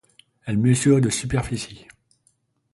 Elle mesure de superficie.